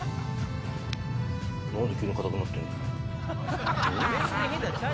何急に硬くなってんのうん？